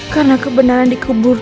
karena kebenaran dikebur